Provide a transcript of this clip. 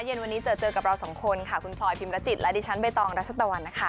เย็นวันนี้เจอเจอกับเราสองคนค่ะคุณพลอยพิมรจิตและดิฉันใบตองรัชตะวันนะคะ